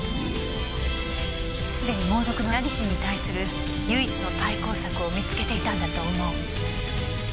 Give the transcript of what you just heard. すでに猛毒のラニシンに対する唯一の対抗策を見つけていたんだと思う。